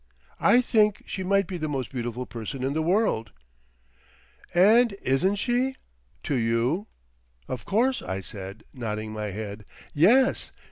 "I think she might be the most beautiful person in the world." "And isn't she? To you?" "Of course," I said, nodding my head. "Yes.